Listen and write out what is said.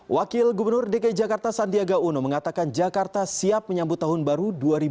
wakil gubernur dki jakarta sandiaga uno mengatakan jakarta siap menyambut tahun baru dua ribu dua puluh